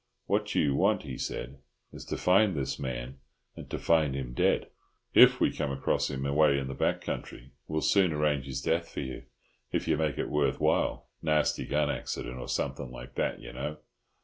"What you want," he said, "is to find this man, and to find him dead. If we come across him away in the back country, we'll soon arrange his death for you, if you make it worth while. Nasty gun accident, or something like that, you know."